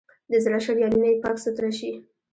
د زړه شریانونه یې پاک سوتره شي.